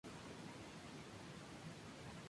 Su hermano es el músico y productor musical John Parish.